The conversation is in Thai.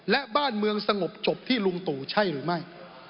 และบ้านเมืองสงบจบที่ลุงตู่ใช่หรือไม่